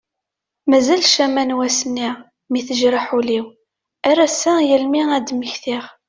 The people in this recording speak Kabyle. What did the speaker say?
Mazal ccama n wass-nni mi tejreḥ ul-iw ar ass-a yal mi ad d-mmektiɣ.